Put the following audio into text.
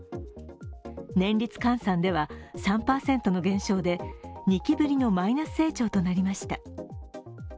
年率換算では３％の減少で２期ぶりのマイナス成長となりました。